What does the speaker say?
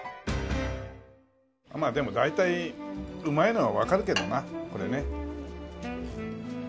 まあでも大体うまいのはわかるけどなこれね。